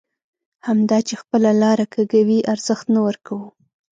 همدا چې خپله لاره کږوي ارزښت نه ورکوو.